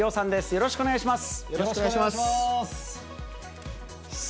よろしくお願いします。